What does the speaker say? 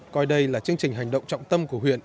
coi đây là chương trình hành động trọng tâm của huyện